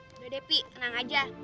udah deh pi tenang aja